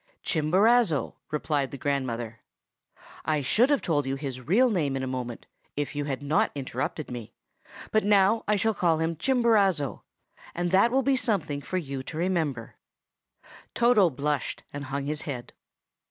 "Chimborazo," replied the grandmother. "I should have told you his real name in a moment, if you had not interrupted me, but now I shall call him Chimborazo, and that will be something for you to remember." Toto blushed and hung his head.